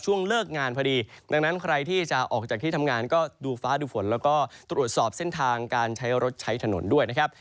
เลิกงานพอดีดังนั้นใครที่จะออกจากที่ทำงานก็ดูฟ้าดูฝนแล้วก็ตรวจสอบเส้นทางการใช้รถใช้ถนนด้วยนะครับ